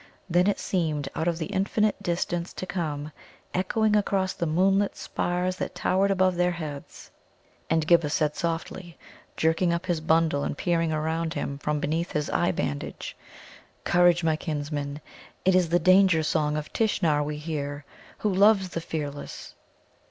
Then it seemed out of the infinite distance to come, echoing across the moonlit spars that towered above their heads. And Ghibba said softly, jerking up his bundle and peering around him from beneath his eye bandage: "Courage, my kinsmen! it is the danger song of Tishnar we hear, who loves the fearless."